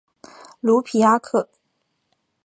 卢皮阿克。